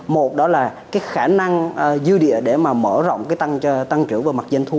một đó là cái khả năng dư địa để mà mở rộng cái tăng trưởng và mặt doanh thu